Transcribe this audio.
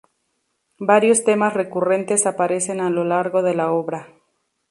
Varios temas recurrentes aparecen a lo largo de la obra.